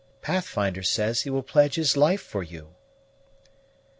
Pathfinder says he will pledge his life for you."